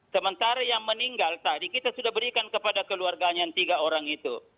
sementara yang meninggal tadi kita sudah berikan kepada keluarganya yang tiga orang itu